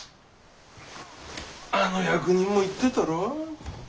あの役人も言ってたろう？